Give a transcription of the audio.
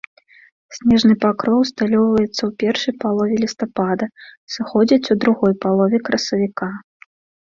Снежны пакроў усталёўваецца ў першай палове лістапада, сыходзіць у другой палове красавіка.